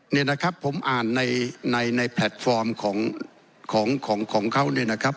นี่นะครับผมอ่านในแพลตฟอร์มของของเขาเนี่ยนะครับ